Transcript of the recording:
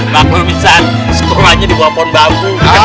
maksud ustadz sekolahnya di bawah pondok bu